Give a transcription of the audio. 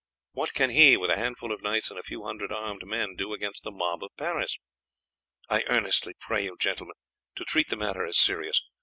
What can he, with a handful of knights and a few hundred armed men, do against the mob of Paris? I earnestly pray you, gentlemen, to treat the matter as serious.